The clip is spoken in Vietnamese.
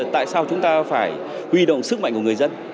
tại sao chúng ta phải huy động sức mạnh của người dân